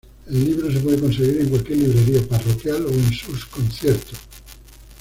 El libro se puede conseguir en cualquier librería parroquial o en sus conciertos.